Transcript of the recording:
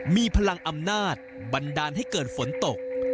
มีพลังอำนาจบันดาลให้เกิดฝนตก